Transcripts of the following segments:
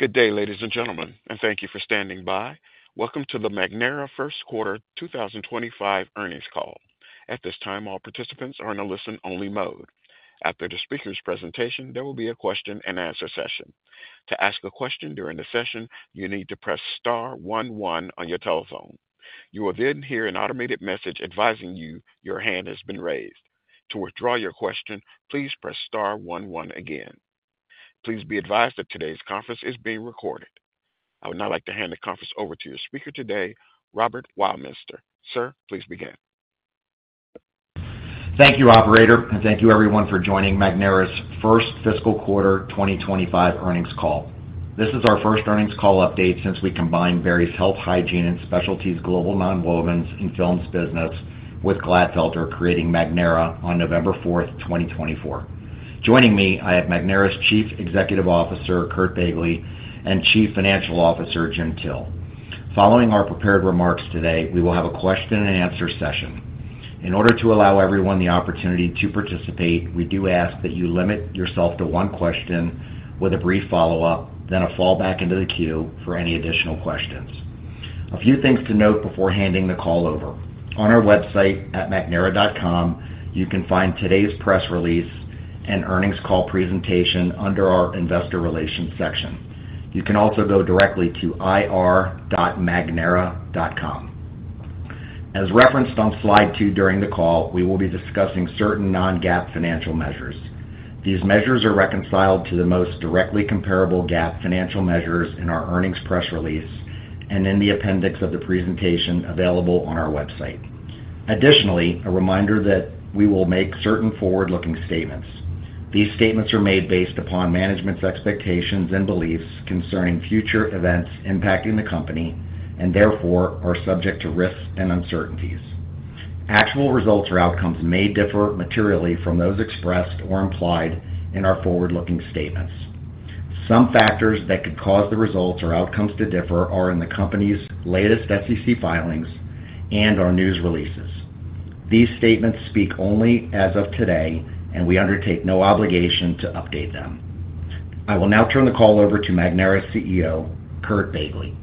Good day, ladies and gentlemen, and thank you for standing by. Welcome to the Magnera First Quarter 2025 earnings call. At this time, all participants are in a listen-only mode. After the speaker's presentation, there will be a question-and-answer session. To ask a question during the session, you need to press star one one on your telephone. You will then hear an automated message advising you your hand has been raised. To withdraw your question, please press star one one again. Please be advised that today's conference is being recorded. I would now like to hand the conference over to your speaker today, Robert Weilminster. Sir, please begin. Thank you, Operator, and thank you, everyone, for joining Magnera's First Fiscal Quarter 2025 earnings call. This is our first earnings call update since we combined various health, hygiene, and specialties global nonwovens and films business with Glatfelter creating Magnera on November 4th, 2024. Joining me, I have Magnera's Chief Executive Officer, Curt Begle, and Chief Financial Officer, Jim Till. Following our prepared remarks today, we will have a question-and-answer session. In order to allow everyone the opportunity to participate, we do ask that you limit yourself to one question with a brief follow-up, then a fallback into the queue for any additional questions. A few things to note before handing the call over. On our website at magnera.com, you can find today's press release and earnings call presentation under our Investor Relations section. You can also go directly to ir.magnera.com. As referenced on slide two during the call, we will be discussing certain non-GAAP financial measures. These measures are reconciled to the most directly comparable GAAP financial measures in our earnings press release and in the appendix of the presentation available on our website. Additionally, a reminder that we will make certain forward-looking statements. These statements are made based upon management's expectations and beliefs concerning future events impacting the company and therefore are subject to risks and uncertainties. Actual results or outcomes may differ materially from those expressed or implied in our forward-looking statements. Some factors that could cause the results or outcomes to differ are in the company's latest SEC filings and our news releases. These statements speak only as of today, and we undertake no obligation to update them. I will now turn the call over to Magnera CEO, Curt Begle.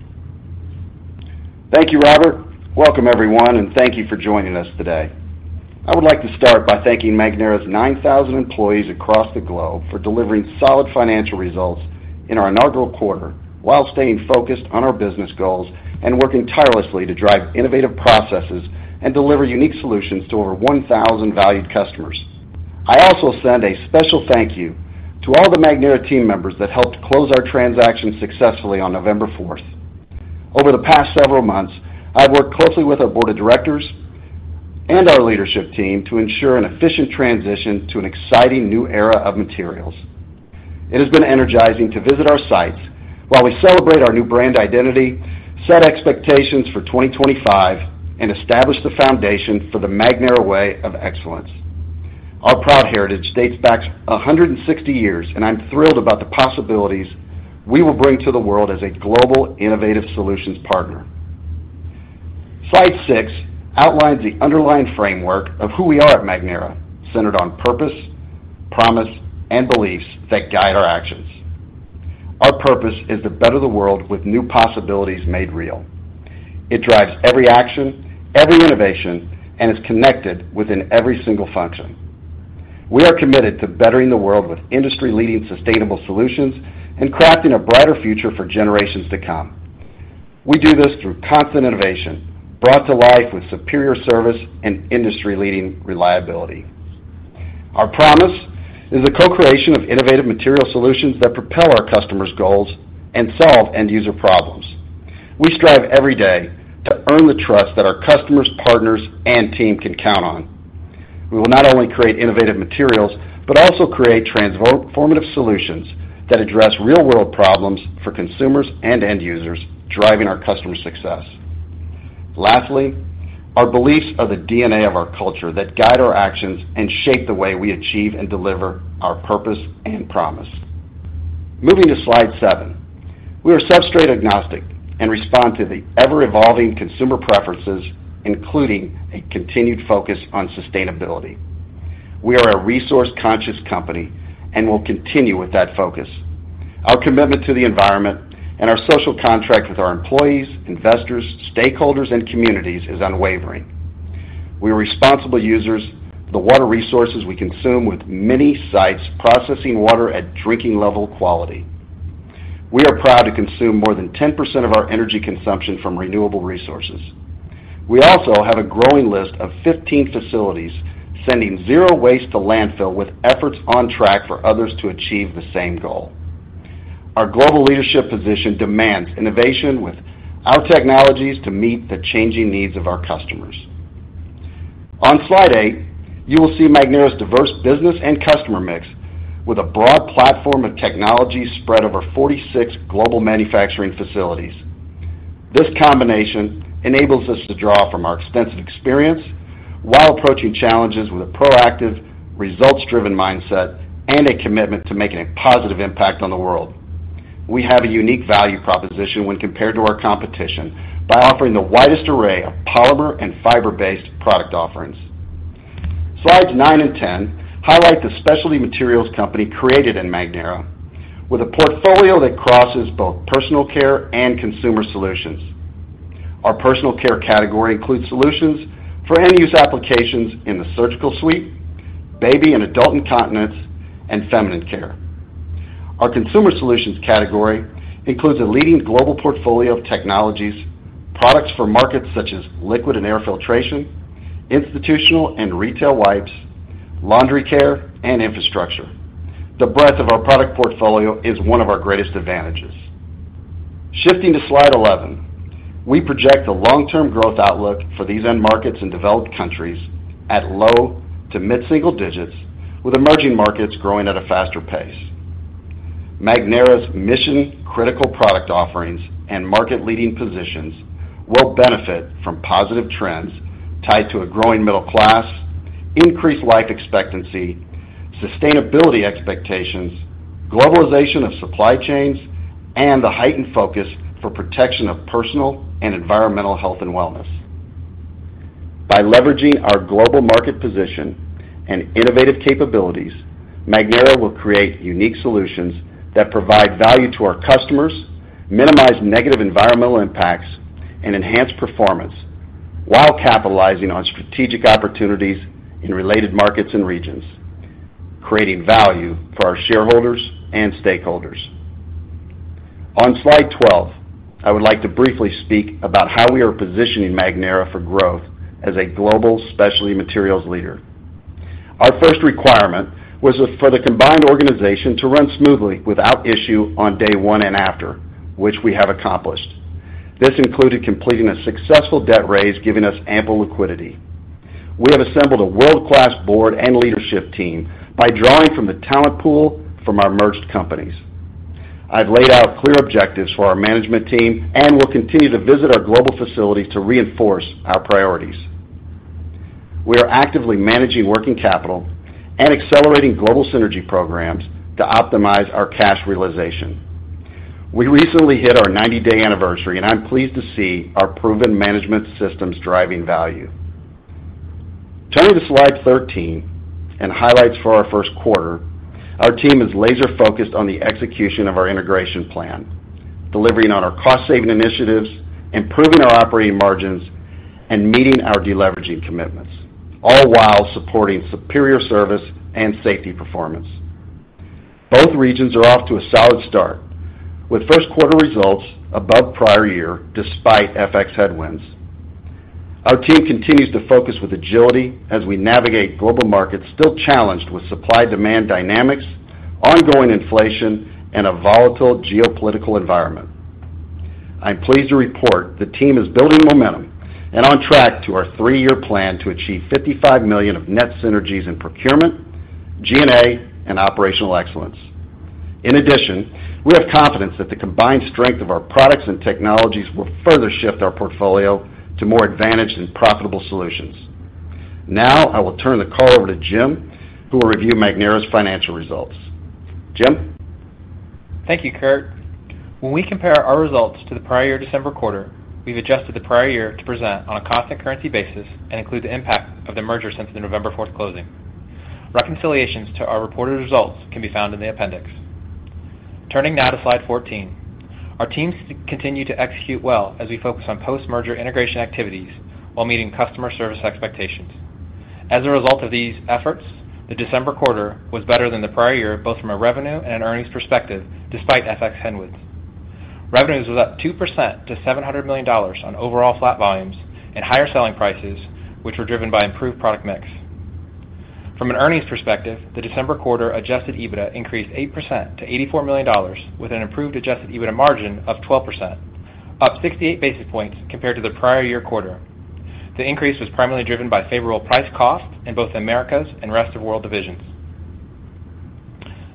Thank you, Robert. Welcome, everyone, and thank you for joining us today. I would like to start by thanking Magnera's 9,000 employees across the globe for delivering solid financial results in our inaugural quarter while staying focused on our business goals and working tirelessly to drive innovative processes and deliver unique solutions to over 1,000 valued customers. I also send a special thank you to all the Magnera team members that helped close our transaction successfully on November 4th. Over the past several months, I've worked closely with our board of directors and our leadership team to ensure an efficient transition to an exciting new era of materials. It has been energizing to visit our sites while we celebrate our new brand identity, set expectations for 2025, and establish the foundation for the Magnera way of excellence. Our proud heritage dates back 160 years, and I'm thrilled about the possibilities we will bring to the world as a global innovative solutions partner. Slide six outlines the underlying framework of who we are at Magnera, centered on purpose, promise, and beliefs that guide our actions. Our purpose is to better the world with new possibilities made real. It drives every action, every innovation, and is connected within every single function. We are committed to bettering the world with industry-leading sustainable solutions and crafting a brighter future for generations to come. We do this through constant innovation, brought to life with superior service and industry-leading reliability. Our promise is the co-creation of innovative material solutions that propel our customers' goals and solve end-user problems. We strive every day to earn the trust that our customers, partners, and team can count on. We will not only create innovative materials but also create transformative solutions that address real-world problems for consumers and end users, driving our customer success. Lastly, our beliefs are the DNA of our culture that guide our actions and shape the way we achieve and deliver our purpose and promise. Moving to slide seven, we are substrate agnostic and respond to the ever-evolving consumer preferences, including a continued focus on sustainability. We are a resource-conscious company and will continue with that focus. Our commitment to the environment and our social contract with our employees, investors, stakeholders, and communities is unwavering. We are responsible users of the water resources we consume with many sites processing water at drinking-level quality. We are proud to consume more than 10% of our energy consumption from renewable resources. We also have a growing list of 15 facilities sending zero waste to landfill with efforts on track for others to achieve the same goal. Our global leadership position demands innovation with our technologies to meet the changing needs of our customers. On slide eight, you will see Magnera's diverse business and customer mix with a broad platform of technology spread over 46 global manufacturing facilities. This combination enables us to draw from our extensive experience while approaching challenges with a proactive, results-driven mindset and a commitment to making a positive impact on the world. We have a unique value proposition when compared to our competition by offering the widest array of polymer and fiber-based product offerings. Slides nine and 10 highlight the specialty materials company created in Magnera with a portfolio that crosses both personal care and consumer solutions. Our personal care category includes solutions for end-use applications in the surgical suite, baby and adult incontinence, and feminine care. Our consumer solutions category includes a leading global portfolio of technologies, products for markets such as liquid and air filtration, institutional and retail wipes, laundry care, and infrastructure. The breadth of our product portfolio is one of our greatest advantages. Shifting to slide 11, we project a long-term growth outlook for these end markets in developed countries at low- to mid-single digits, with emerging markets growing at a faster pace. Magnera's mission-critical product offerings and market-leading positions will benefit from positive trends tied to a growing middle class, increased life expectancy, sustainability expectations, globalization of supply chains, and the heightened focus for protection of personal and environmental health and wellness. By leveraging our global market position and innovative capabilities, Magnera will create unique solutions that provide value to our customers, minimize negative environmental impacts, and enhance performance while capitalizing on strategic opportunities in related markets and regions, creating value for our shareholders and stakeholders. On slide 12, I would like to briefly speak about how we are positioning Magnera for growth as a global specialty materials leader. Our first requirement was for the combined organization to run smoothly without issue on day one and after, which we have accomplished. This included completing a successful debt raise, giving us ample liquidity. We have assembled a world-class board and leadership team by drawing from the talent pool from our merged companies. I've laid out clear objectives for our management team and will continue to visit our global facilities to reinforce our priorities. We are actively managing working capital and accelerating global synergy programs to optimize our cash realization. We recently hit our 90-day anniversary, and I'm pleased to see our proven management systems driving value. Turning to slide 13 and highlights for our first quarter, our team is laser-focused on the execution of our integration plan, delivering on our cost-saving initiatives, improving our operating margins, and meeting our deleveraging commitments, all while supporting superior service and safety performance. Both regions are off to a solid start with first-quarter results above prior year despite FX headwinds. Our team continues to focus with agility as we navigate global markets still challenged with supply-demand dynamics, ongoing inflation, and a volatile geopolitical environment. I'm pleased to report the team is building momentum and on track to our three-year plan to achieve $55 million of net synergies in procurement, G&A, and operational excellence. In addition, we have confidence that the combined strength of our products and technologies will further shift our portfolio to more advantaged and profitable solutions. Now, I will turn the call over to Jim, who will review Magnera's financial results. Jim. Thank you, Curt. When we compare our results to the prior year December quarter, we've adjusted the prior year to present on a cost and currency basis and include the impact of the merger since the November 4th closing. Reconciliations to our reported results can be found in the appendix. Turning now to slide 14, our teams continue to execute well as we focus on post-merger integration activities while meeting customer service expectations. As a result of these efforts, the December quarter was better than the prior year both from a revenue and an earnings perspective despite FX headwinds. Revenues was up 2% to $700 million on overall flat volumes and higher selling prices, which were driven by improved product mix. From an earnings perspective, the December quarter Adjusted EBITDA increased 8% to $84 million with an improved Adjusted EBITDA margin of 12%, up 68 basis points compared to the prior year quarter. The increase was primarily driven by favorable price-cost in both Americas and Rest of World divisions.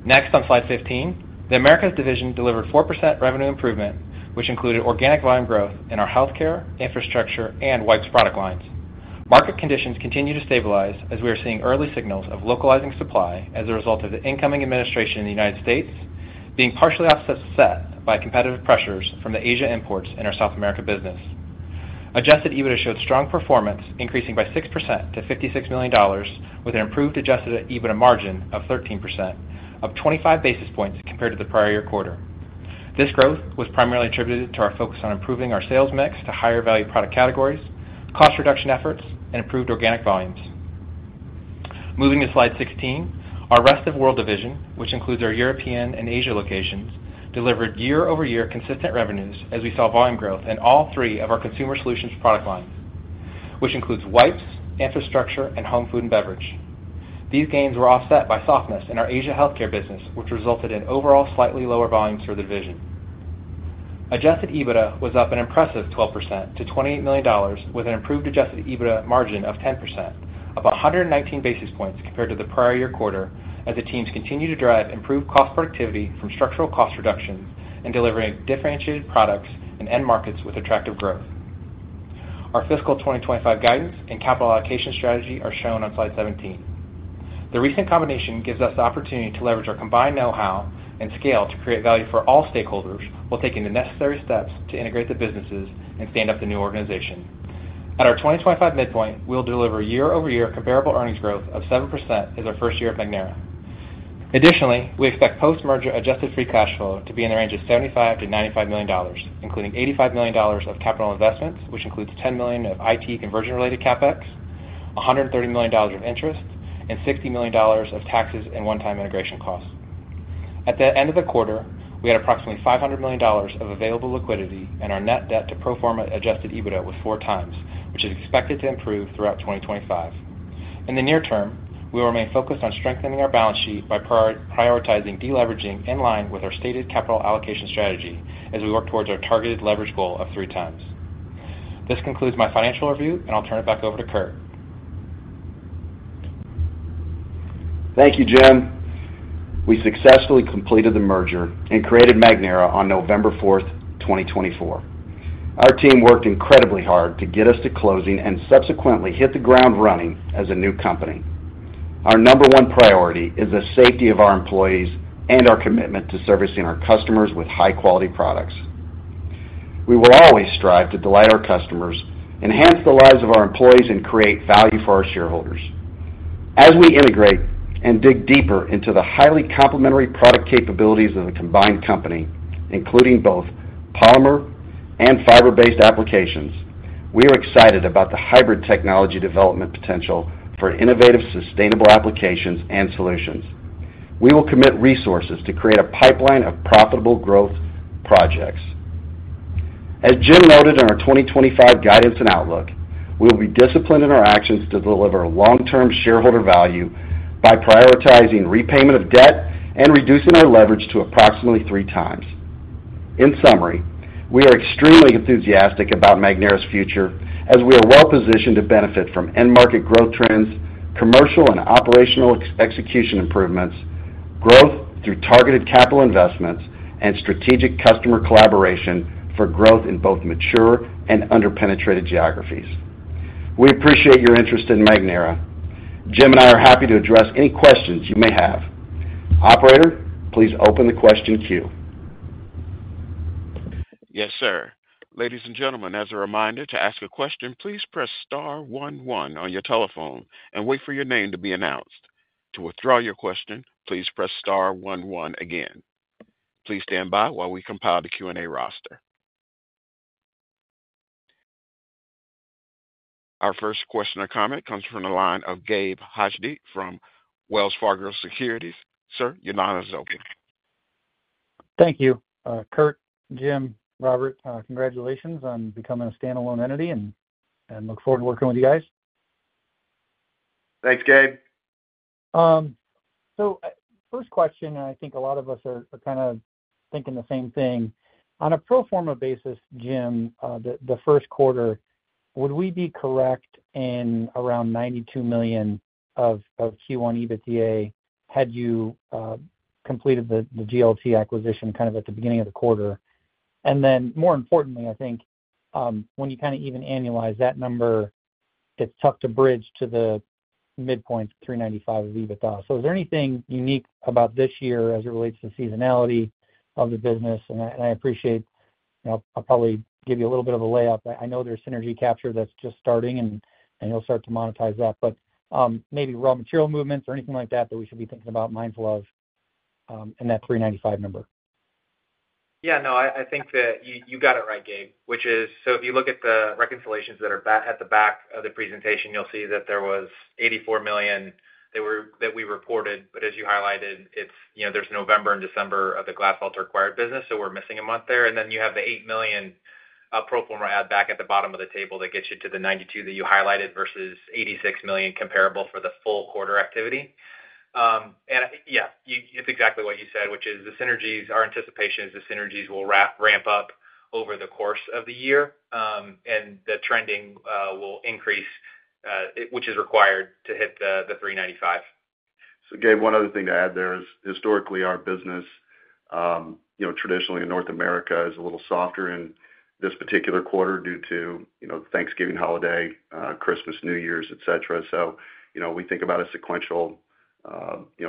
Next, on slide 15, the Americas division delivered 4% revenue improvement, which included organic volume growth in our healthcare, infrastructure, and wipes product lines. Market conditions continue to stabilize as we are seeing early signals of localizing supply as a result of the incoming administration in the United States being partially offset by competitive pressures from the Asian imports in our South America business. Adjusted EBITDA showed strong performance, increasing by 6% to $56 million with an improved Adjusted EBITDA margin of 13%, up 25 basis points compared to the prior year quarter. This growth was primarily attributed to our focus on improving our sales mix to higher value product categories, cost reduction efforts, and improved organic volumes. Moving to slide 16, our Rest of World division, which includes our European and Asia locations, delivered year-over-year consistent revenues as we saw volume growth in all three of our consumer solutions product lines, which includes wipes, infrastructure, and home, food and beverage. These gains were offset by softness in our Asia healthcare business, which resulted in overall slightly lower volumes for the division. Adjusted EBITDA was up an impressive 12% to $28 million with an improved Adjusted EBITDA margin of 10%, up 119 basis points compared to the prior year quarter as the teams continue to drive improved cost productivity from structural cost reductions and delivering differentiated products and end markets with attractive growth. Our fiscal 2025 guidance and capital allocation strategy are shown on slide 17. The recent combination gives us the opportunity to leverage our combined know-how and scale to create value for all stakeholders while taking the necessary steps to integrate the businesses and stand up the new organization. At our 2025 midpoint, we'll deliver year-over-year comparable earnings growth of 7% as our first year at Magnera. Additionally, we expect post-merger adjusted free cash flow to be in the range of $75-$95 million, including $85 million of capital investments, which includes $10 million of IT conversion-related CapEx, $130 million of interest, and $60 million of taxes and one-time integration costs. At the end of the quarter, we had approximately $500 million of available liquidity, and our net debt to pro forma Adjusted EBITDA was four times, which is expected to improve throughout 2025. In the near term, we will remain focused on strengthening our balance sheet by prioritizing deleveraging in line with our stated capital allocation strategy as we work towards our targeted leverage goal of three times. This concludes my financial review, and I'll turn it back over to Curt. Thank you, Jim. We successfully completed the merger and created Magnera on November 4th, 2024. Our team worked incredibly hard to get us to closing and subsequently hit the ground running as a new company. Our number one priority is the safety of our employees and our commitment to servicing our customers with high-quality products. We will always strive to delight our customers, enhance the lives of our employees, and create value for our shareholders. As we integrate and dig deeper into the highly complementary product capabilities of the combined company, including both polymer and fiber-based applications, we are excited about the hybrid technology development potential for innovative sustainable applications and solutions. We will commit resources to create a pipeline of profitable growth projects. As Jim noted in our 2025 guidance and outlook, we will be disciplined in our actions to deliver long-term shareholder value by prioritizing repayment of debt and reducing our leverage to approximately three times. In summary, we are extremely enthusiastic about Magnera's future as we are well-positioned to benefit from end-market growth trends, commercial and operational execution improvements, growth through targeted capital investments, and strategic customer collaboration for growth in both mature and under-penetrated geographies. We appreciate your interest in Magnera. Jim and I are happy to address any questions you may have. Operator, please open the question queue. Yes, sir. Ladies and gentlemen, as a reminder to ask a question, please press star one one on your telephone and wait for your name to be announced. To withdraw your question, please press star one one again. Please stand by while we compile the Q&A roster. Our first question or comment comes from the line of Gabe Hajde from Wells Fargo Securities. Sir, your line is open. Thank you. Curt, Jim, and Robert, congratulations on becoming a standalone entity and look forward to working with you guys. Thanks, Gabe. First question, and I think a lot of us are kind of thinking the same thing. On a pro forma basis, Jim, for the first quarter, would we be correct in around $92 million of Q1 EBITDA had you completed the GLT acquisition kind of at the beginning of the quarter? And then more importantly, I think when you kind of even annualize that number, it's tough to bridge to the midpoint $395 million of EBITDA. Is there anything unique about this year as it relates to seasonality of the business? I appreciate I'll probably give you a little bit of a lay up. I know there's synergy capture that's just starting, and you'll start to monetize that. But maybe raw material movements or anything like that that we should be thinking about mindful of in that $395 million number? Yeah, no, I think that you got it right, Gabe, which is so if you look at the reconciliations that are at the back of the presentation, you'll see that there was $84 million that we reported. But as you highlighted, there's November and December of the Glatfelter acquired business, so we're missing a month there. And then you have the $8 million pro forma add back at the bottom of the table that gets you to the $92 million that you highlighted versus $86 million comparable for the full quarter activity. And yeah, it's exactly what you said, which is the synergies. Our anticipation is the synergies will ramp up over the course of the year, and the trending will increase, which is required to hit the $395 million. So Gabe, one other thing to add there is historically our business, traditionally in North America, is a little softer in this particular quarter due to Thanksgiving holiday, Christmas, New Year's, etc. So we think about a sequential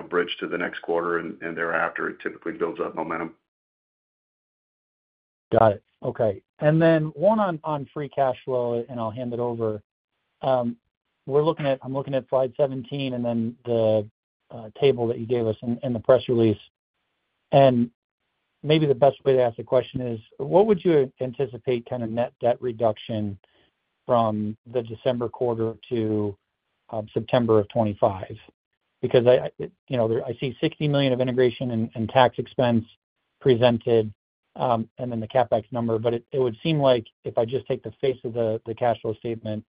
bridge to the next quarter and thereafter. It typically builds up momentum. Got it. Okay. And then one on free cash flow, and I'll hand it over. I'm looking at slide 17 and then the table that you gave us in the press release. And maybe the best way to ask the question is, what would you anticipate kind of net debt reduction from the December quarter to September of 2025? Because I see $60 million of integration and tax expense presented and then the CapEx number, but it would seem like if I just take the face of the cash flow statement,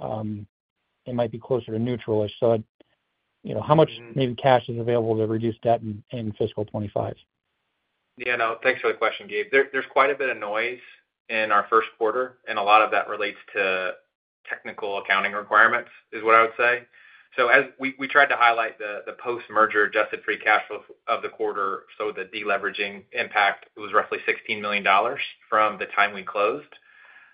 it might be closer to neutral-ish. So how much maybe cash is available to reduce debt in fiscal 2025? Yeah, no, thanks for the question, Gabe. There's quite a bit of noise in our first quarter, and a lot of that relates to technical accounting requirements is what I would say. So we tried to highlight the post-merger adjusted free cash flow of the quarter. So the deleveraging impact was roughly $16 million from the time we closed.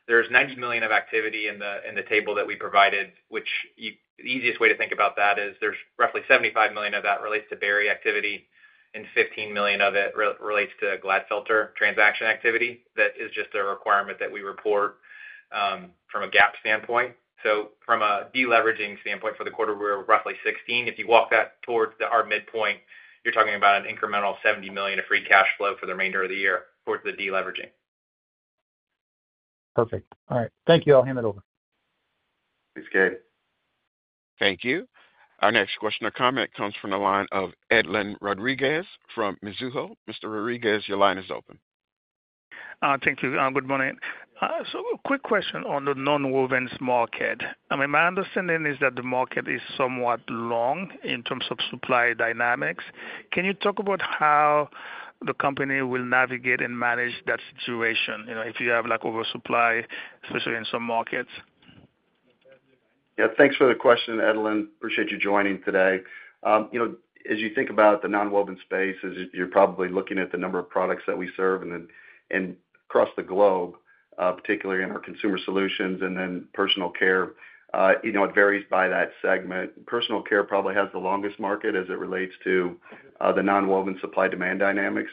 There's $90 million of activity in the table that we provided, which the easiest way to think about that is there's roughly $75 million of that relates to Berry activity, and $15 million of it relates to Glatfelter transaction activity that is just a requirement that we report from a GAAP standpoint. So from a deleveraging standpoint for the quarter, we're roughly $16 million. If you walk that towards our midpoint, you're talking about an incremental $70 million of free cash flow for the remainder of the year towards the deleveraging. Perfect. All right. Thank you. I'll hand it over. Thanks, Gabe. Thank you. Our next question or comment comes from the line of Edlain Rodriguez from Mizuho. Mr. Rodriguez, your line is open. Thank you. Good morning. So a quick question on the nonwovens market. I mean, my understanding is that the market is somewhat long in terms of supply dynamics. Can you talk about how the company will navigate and manage that situation if you have oversupply, especially in some markets? Yeah, thanks for the question, Edlain. Appreciate you joining today. As you think about the non-woven space, you're probably looking at the number of products that we serve across the globe, particularly in our consumer solutions and then personal care. It varies by that segment. Personal care probably has the longest market as it relates to the non-woven supply demand dynamics.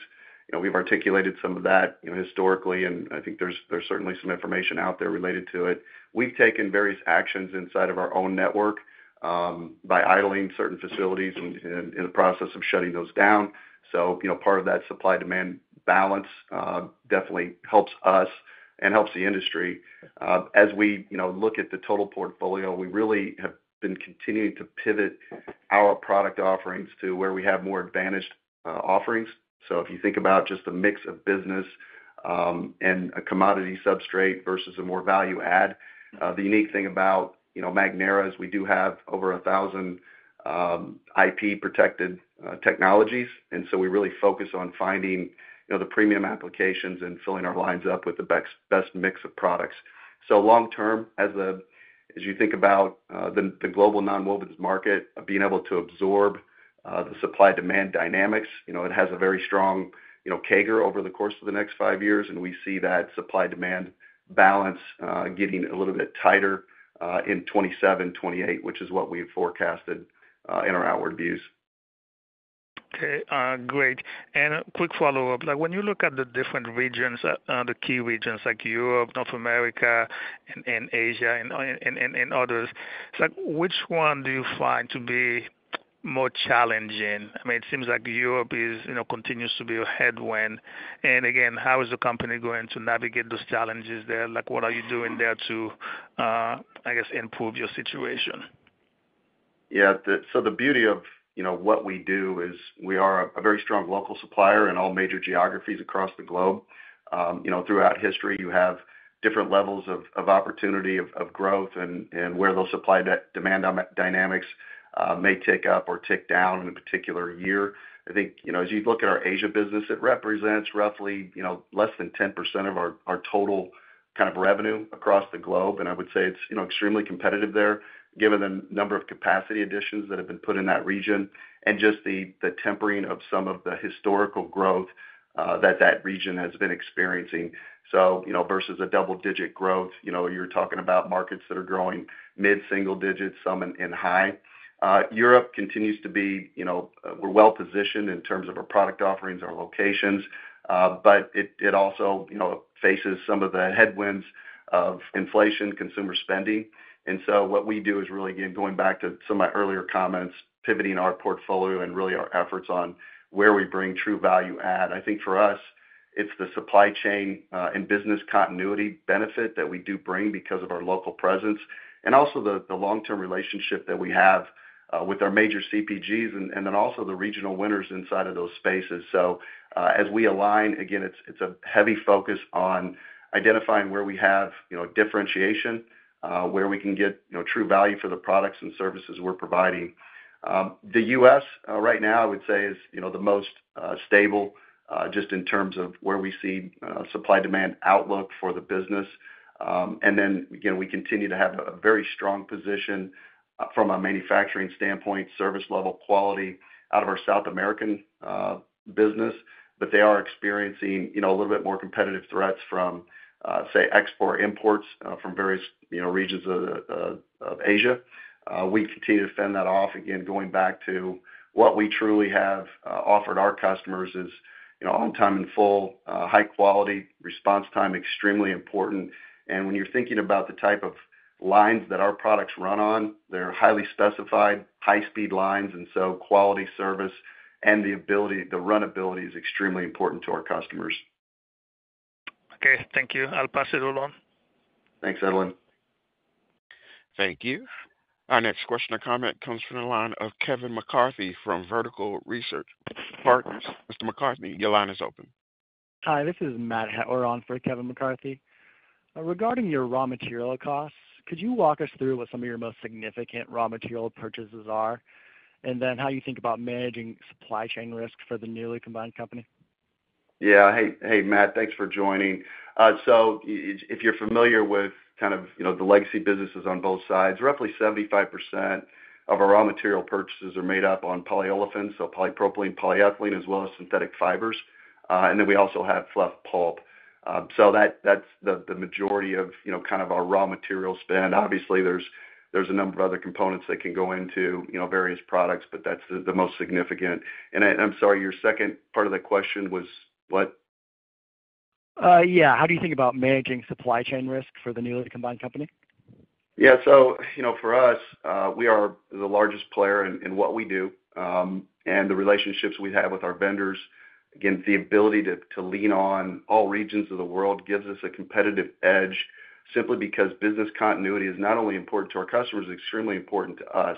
We've articulated some of that historically, and I think there's certainly some information out there related to it. We've taken various actions inside of our own network by idling certain facilities and in the process of shutting those down. So part of that supply-demand balance definitely helps us and helps the industry. As we look at the total portfolio, we really have been continuing to pivot our product offerings to where we have more advantaged offerings. So if you think about just a mix of business and a commodity substrate versus a more value-add, the unique thing about Magnera is we do have over 1,000 IP-protected technologies, and so we really focus on finding the premium applications and filling our lines up with the best mix of products. So long-term, as you think about the global non-woven market, being able to absorb the supply-demand dynamics, it has a very strong CAGR over the course of the next five years, and we see that supply-demand balance getting a little bit tighter in 2027, 2028, which is what we've forecasted in our outward views. Okay. Great. And quick follow-up. When you look at the different regions, the key regions like Europe, North America, and Asia, and others, which one do you find to be more challenging? I mean, it seems like Europe continues to be a headwind. And again, how is the company going to navigate those challenges there? What are you doing there to, I guess, improve your situation? Yeah. So the beauty of what we do is we are a very strong local supplier in all major geographies across the globe. Throughout history, you have different levels of opportunity of growth and where those supply-demand dynamics may tick up or tick down in a particular year. I think as you look at our Asia business, it represents roughly less than 10% of our total kind of revenue across the globe. And I would say it's extremely competitive there, given the number of capacity additions that have been put in that region and just the tempering of some of the historical growth that that region has been experiencing. So versus a double-digit growth, you're talking about markets that are growing mid-single digits, some in high. Europe continues to be well-positioned in terms of our product offerings, our locations, but it also faces some of the headwinds of inflation, consumer spending, and so what we do is really, again, going back to some of my earlier comments, pivoting our portfolio and really our efforts on where we bring true value-add. I think for us, it's the supply chain and business continuity benefit that we do bring because of our local presence and also the long-term relationship that we have with our major CPGs and then also the regional winners inside of those spaces, so as we align, again, it's a heavy focus on identifying where we have differentiation, where we can get true value for the products and services we're providing. The U.S. right now, I would say, is the most stable just in terms of where we see supply-demand outlook for the business. And then, again, we continue to have a very strong position from a manufacturing standpoint, service level, quality out of our South American business, but they are experiencing a little bit more competitive threats from, say, export imports from various regions of Asia. We continue to fend that off. Again, going back to what we truly have offered our customers is on time and full, high-quality response time, extremely important. And when you're thinking about the type of lines that our products run on, they're highly specified, high-speed lines. And so quality service and the ability to runnability is extremely important to our customers. Okay. Thank you. I'll pass it along. Thanks, Edlain. Thank you. Our next question or comment comes from the line of Kevin McCarthy from Vertical Research Partners. Mr. McCarthy, your line is open. Hi, this is Matt Hettwer on for Kevin McCarthy. Regarding your raw material costs, could you walk us through what some of your most significant raw material purchases are and then how you think about managing supply chain risk for the newly combined company? Yeah. Hey, Matt, thanks for joining. So if you're familiar with kind of the legacy businesses on both sides, roughly 75% of our raw material purchases are made up on polyolefins, so polypropylene, polyethylene, as well as synthetic fibers. And then we also have fluff pulp. So that's the majority of kind of our raw material spend. Obviously, there's a number of other components that can go into various products, but that's the most significant. And I'm sorry, your second part of the question was what? Yeah. How do you think about managing supply chain risk for the newly combined company? Yeah. So for us, we are the largest player in what we do. And the relationships we have with our vendors, again, the ability to lean on all regions of the world gives us a competitive edge simply because business continuity is not only important to our customers, it's extremely important to us.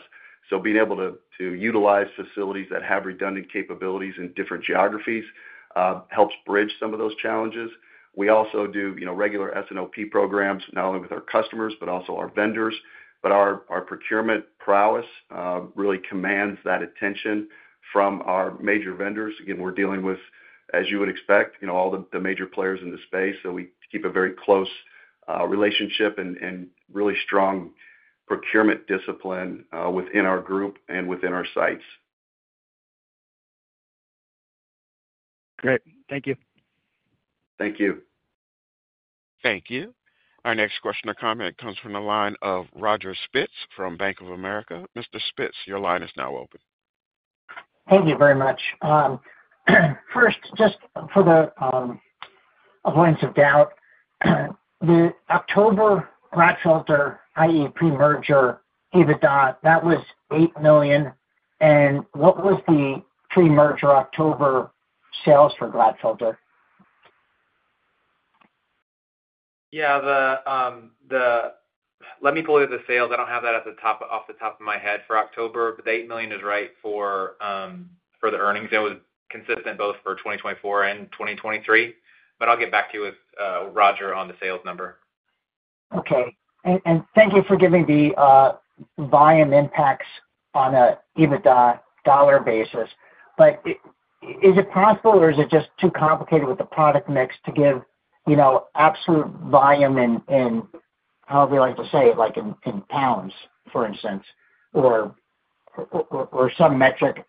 So being able to utilize facilities that have redundant capabilities in different geographies helps bridge some of those challenges. We also do regular S&OP programs not only with our customers, but also our vendors. But our procurement prowess really commands that attention from our major vendors. Again, we're dealing with, as you would expect, all the major players in the space. So we keep a very close relationship and really strong procurement discipline within our group and within our sites. Great. Thank you. Thank you. Thank you. Our next question or comment comes from the line of Roger Spitz from Bank of America. Mr. Spitz, your line is now open. Thank you very much. First, just for the avoidance of doubt, the October Glatfelter, i.e., pre-merger EBITDA, that was $8 million. And what was the pre-merger October sales for Glatfelter? Yeah. Let me pull up the sales. I don't have that off the top of my head for October, but the $8 million is right for the earnings. It was consistent both for 2024 and 2023. But I'll get back to you with Roger on the sales number. Okay, and thank you for giving the volume impacts on an EBITDA dollar basis. But is it possible or is it just too complicated with the product mix to give absolute volume in, how would we like to say, in pounds, for instance, or some metric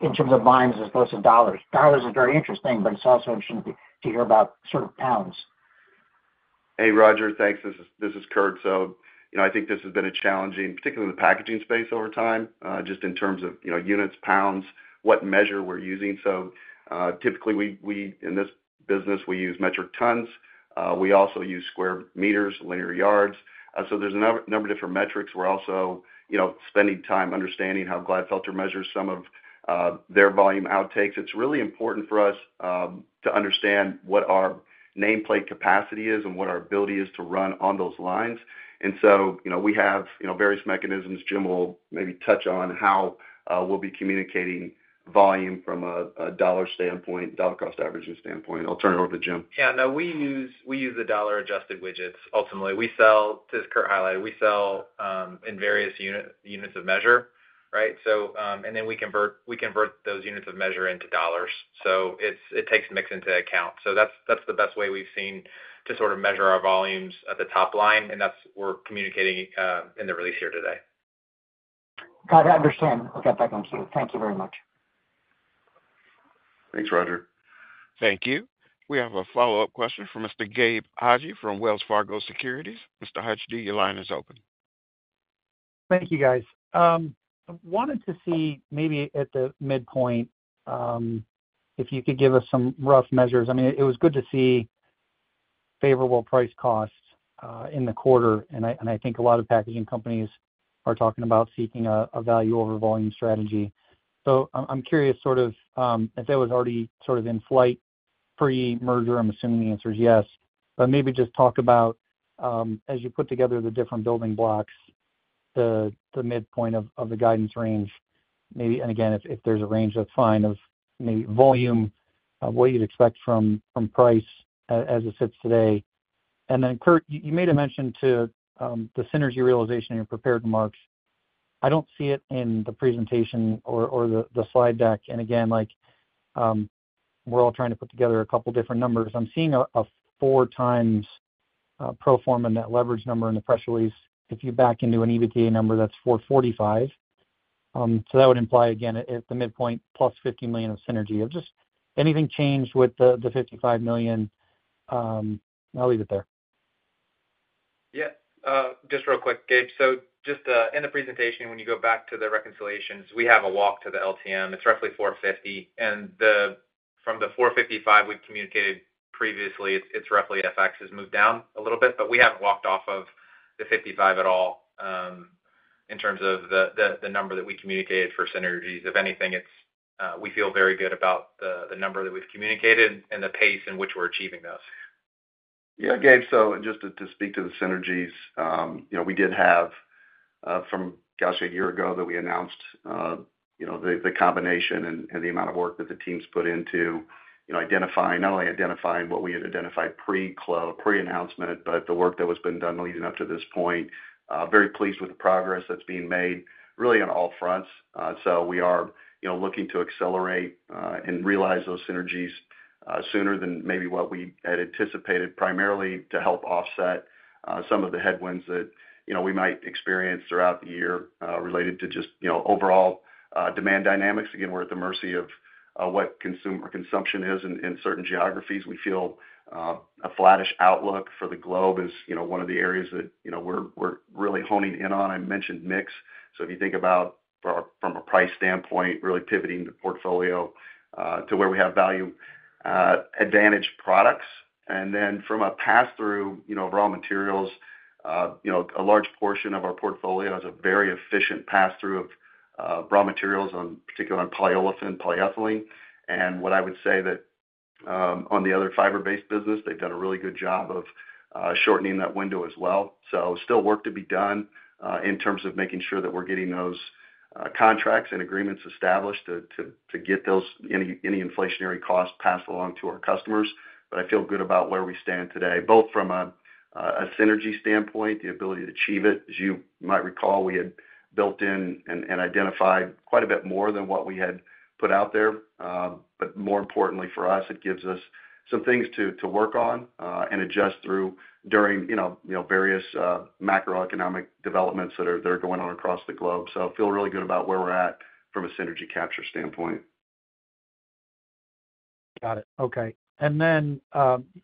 in terms of volumes as opposed to dollars? Dollars is very interesting, but it's also interesting to hear about sort of pounds. Hey, Roger. Thanks. This is Curt. So I think this has been a challenge, particularly in the packaging space over time, just in terms of units, pounds, what measure we're using. So typically, in this business, we use metric tons. We also use square meters, linear yards. So there's a number of different metrics. We're also spending time understanding how Glatfelter measures some of their volume outputs. It's really important for us to understand what our nameplate capacity is and what our ability is to run on those lines. And so we have various mechanisms. Jim will maybe touch on how we'll be communicating volume from a dollar standpoint, dollar cost averaging standpoint. I'll turn it over to Jim. Yeah. No, we use the dollar-adjusted widgets. Ultimately, as Curt highlighted, we sell in various units of measure, right? And then we convert those units of measure into dollars. So it takes mix into account. So that's the best way we've seen to sort of measure our volumes at the top line. And that's what we're communicating in the release here today. Got it. I understand. I'll get back to you. Thank you very much. Thanks, Roger. Thank you. We have a follow-up question from Mr. Gabe Hajde from Wells Fargo Securities. Mr. Hajde, your line is open. Thank you, guys. I wanted to see maybe at the midpoint if you could give us some rough measures. I mean, it was good to see favorable price costs in the quarter. And I think a lot of packaging companies are talking about seeking a value-over-volume strategy. So I'm curious sort of if it was already sort of in flight pre-merger. I'm assuming the answer is yes. But maybe just talk about, as you put together the different building blocks, the midpoint of the guidance range. And again, if there's a range, that's fine of maybe volume, what you'd expect from price as it sits today. And then, Curt, you made a mention to the synergy realization and your prepared remarks. I don't see it in the presentation or the slide deck. And again, we're all trying to put together a couple of different numbers. I'm seeing a four times pro forma net leverage number in the press release. If you back into an EBITDA number, that's $445 million. So that would imply, again, at the midpoint, +$50 million of synergy. Has anything changed with the $55 million? I'll leave it there. Yeah. Just real quick, Gabe. So just in the presentation, when you go back to the reconciliations, we have a walk to the LTM. It's roughly 450. And from the 455 we've communicated previously, it's roughly FX has moved down a little bit. But we haven't walked off of the 55 at all in terms of the number that we communicated for synergies. If anything, we feel very good about the number that we've communicated and the pace in which we're achieving those. Yeah, Gabe. So just to speak to the synergies, we did have from gosh, a year ago that we announced the combination and the amount of work that the teams put into not only identifying what we had identified pre-announcement, but the work that was been done leading up to this point. Very pleased with the progress that's being made really on all fronts. So we are looking to accelerate and realize those synergies sooner than maybe what we had anticipated, primarily to help offset some of the headwinds that we might experience throughout the year related to just overall demand dynamics. Again, we're at the mercy of what consumption is in certain geographies. We feel a flattish outlook for the globe is one of the areas that we're really honing in on. I mentioned mix. If you think about from a price standpoint, really pivoting the portfolio to where we have value-advantaged products. And then from a pass-through of raw materials, a large portion of our portfolio has a very efficient pass-through of raw materials, particularly on polyolefin, polyethylene. And what I would say that on the other fiber-based business, they've done a really good job of shortening that window as well. So still work to be done in terms of making sure that we're getting those contracts and agreements established to get any inflationary costs passed along to our customers. But I feel good about where we stand today, both from a synergy standpoint, the ability to achieve it. As you might recall, we had built in and identified quite a bit more than what we had put out there. But more importantly for us, it gives us some things to work on and adjust through during various macroeconomic developments that are going on across the globe. So I feel really good about where we're at from a synergy capture standpoint. Got it. Okay. And then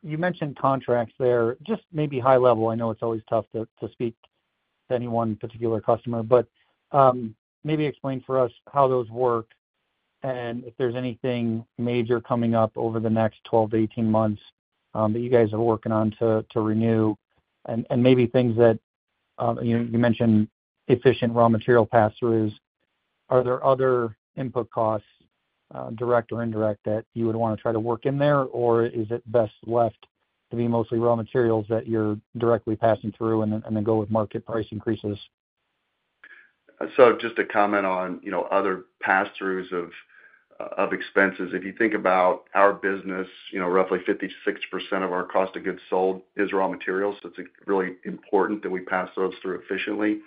you mentioned contracts there. Just maybe high level. I know it's always tough to speak to any one particular customer, but maybe explain for us how those work and if there's anything major coming up over the next 12-18 months that you guys are working on to renew. And maybe things that you mentioned efficient raw material pass-throughs. Are there other input costs, direct or indirect, that you would want to try to work in there, or is it best left to be mostly raw materials that you're directly passing through and then go with market price increases? So just to comment on other pass-throughs of expenses. If you think about our business, roughly 56% of our cost of goods sold is raw materials. It's really important that we pass those through efficiently.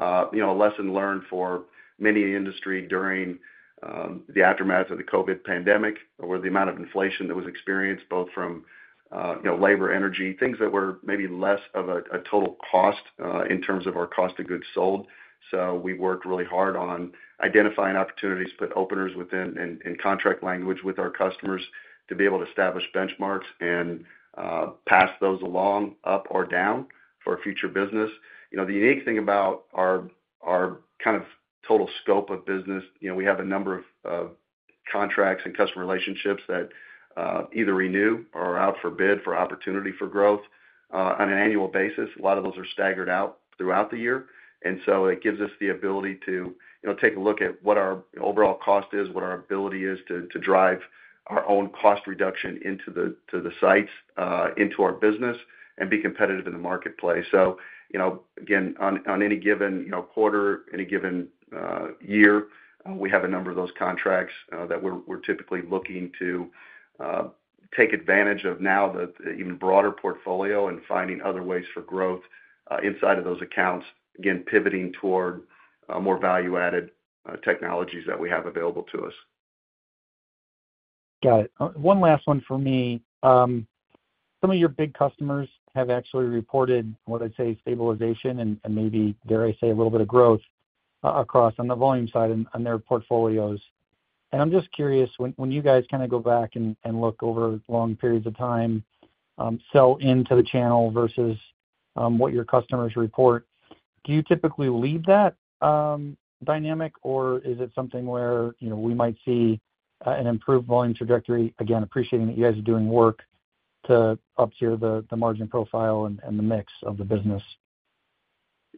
A lesson learned for many in the industry during the aftermath of the COVID pandemic or the amount of inflation that was experienced, both from labor, energy, things that were maybe less of a total cost in terms of our cost of goods sold. So we worked really hard on identifying opportunities, put openers within and contract language with our customers to be able to establish benchmarks and pass those along up or down for future business. The unique thing about our kind of total scope of business, we have a number of contracts and customer relationships that either renew or are out for bid for opportunity for growth on an annual basis. A lot of those are staggered out throughout the year, and so it gives us the ability to take a look at what our overall cost is, what our ability is to drive our own cost reduction into the sites, into our business, and be competitive in the marketplace, so again, on any given quarter, any given year, we have a number of those contracts that we're typically looking to take advantage of now, the even broader portfolio and finding other ways for growth inside of those accounts, again, pivoting toward more value-added technologies that we have available to us. Got it. One last one for me. Some of your big customers have actually reported what I'd say is stabilization and maybe dare I say a little bit of growth across on the volume side on their portfolios. And I'm just curious, when you guys kind of go back and look over long periods of time, sell into the channel versus what your customers report, do you typically leave that dynamic, or is it something where we might see an improved volume trajectory, again, appreciating that you guys are doing work to up to your margin profile and the mix of the business?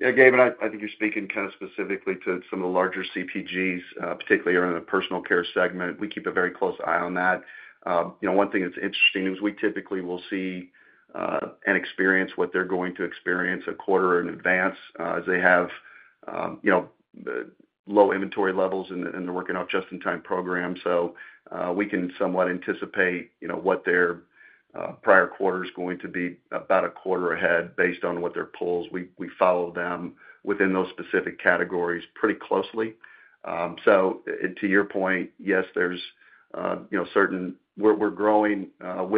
Yeah, Gabe, and I think you're speaking kind of specifically to some of the larger CPGs, particularly around the personal care segment. We keep a very close eye on that. One thing that's interesting is we typically will see and experience what they're going to experience a quarter in advance as they have low inventory levels and they're working off just-in-time programs. So we can somewhat anticipate what their prior quarter is going to be about a quarter ahead based on what their pulls. We follow them within those specific categories pretty closely. So to your point, yes, there's certain we're growing at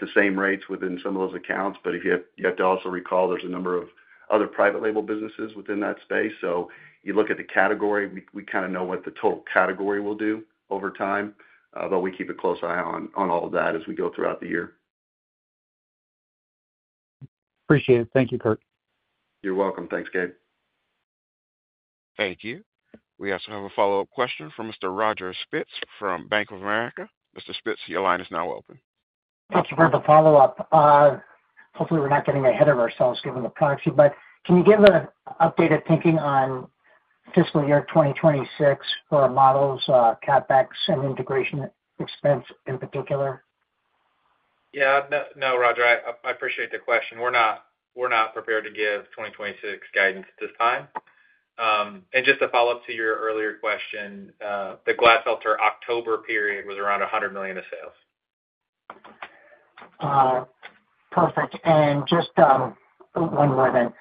the same rates within some of those accounts. But you have to also recall there's a number of other private label businesses within that space. So you look at the category, we kind of know what the total category will do over time, but we keep a close eye on all of that as we go throughout the year. Appreciate it. Thank you, Curt. You're welcome. Thanks, Gabe. Thank you. We also have a follow-up question from Mr. Roger Spitz from Bank of America. Mr. Spitz, your line is now open. Thank you for the follow-up. Hopefully, we're not getting ahead of ourselves given the product sheet. But can you give an updated thinking on fiscal year 2026 for models, CapEx, and integration expense in particular? Yeah. No, Roger. I appreciate the question. We're not prepared to give 2026 guidance at this time, and just to follow up to your earlier question, the Glatfelter October period was around $100 million of sales. Perfect. And just one more thing.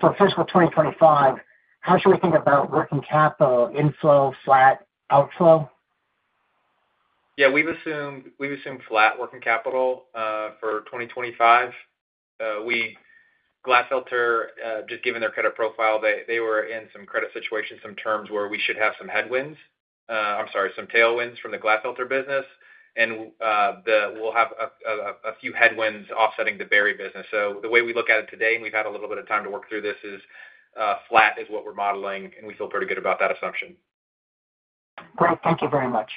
For fiscal 2025, how should we think about working capital inflow, flat, outflow? Yeah. We've assumed flat working capital for 2025. Glatfelter, just given their credit profile, they were in some credit situations, some terms where we should have some headwinds, I'm sorry, some tailwinds, from the Glatfelter business. And we'll have a few headwinds offsetting the Berry business. So the way we look at it today, and we've had a little bit of time to work through this, is flat is what we're modeling, and we feel pretty good about that assumption. Great. Thank you very much.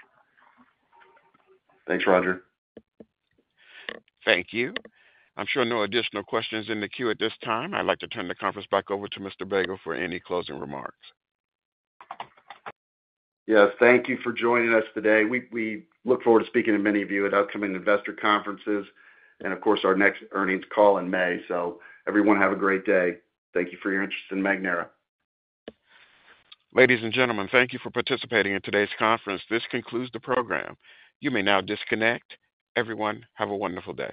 Thanks, Roger. Thank you. I'm sure no additional questions in the queue at this time. I'd like to turn the conference back over to Mr. Begle for any closing remarks. Yes. Thank you for joining us today. We look forward to speaking to many of you at upcoming investor conferences and, of course, our next earnings call in May. So everyone, have a great day. Thank you for your interest in Magnera. Ladies and gentlemen, thank you for participating in today's conference. This concludes the program. You may now disconnect. Everyone, have a wonderful day.